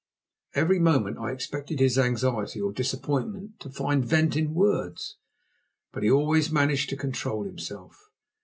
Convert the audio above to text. Every moment I expected his anxiety or disappointment to find vent in words, but he always managed to control himself.